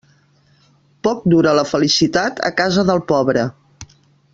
Poc dura la felicitat en casa del pobre.